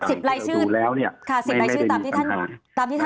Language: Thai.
สิบลายชื่อตามที่ท่านอธิบดีให้หนังสือใช่ไหมคะ